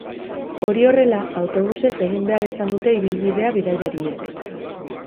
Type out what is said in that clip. Hori horrela, autobusez egin behar izan dute ibilbidea bidaiariek.